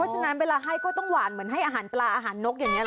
ฉะนั้นเวลาให้ก็ต้องหวานเหมือนให้อาหารปลาอาหารนกอย่างนี้หรอ